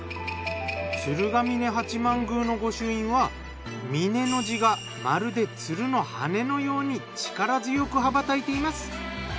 鶴峯八幡宮の御朱印は「峯」の字がまるで鶴の羽のように力強く羽ばたいています。